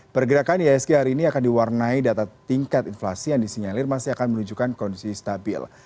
pergerakan ihsg hari ini akan diwarnai data tingkat inflasi yang disinyalir masih akan menunjukkan kondisi stabil